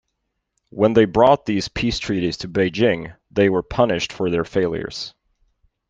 When they brought these peace treaties to Beijing they were punished for their failures.